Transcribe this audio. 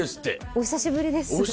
お久しぶりですね。